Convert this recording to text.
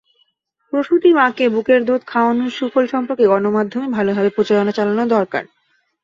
প্রসূতি মাকে বুকের দুধ খাওয়ানোর সুফল সম্পর্কে গণমাধ্যমে ভালোভাবে প্রচারণা চালানো দরকার।